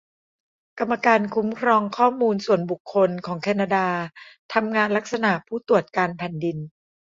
กรรมการคุ้มครองข้อมูลส่วนบุคคลของแคนาดาทำงานลักษณะผู้ตรวจการแผ่นดิน